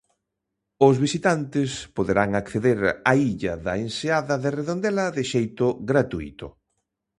Os visitantes poderán acceder á illa da enseada de Redondela de xeito gratuíto.